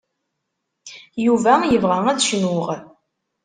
Yuba yebɣa ad cnuɣ.